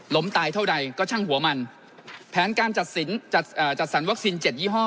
ตายเท่าใดก็ช่างหัวมันแผนการจัดสินจัดสรรวัคซีนเจ็ดยี่ห้อ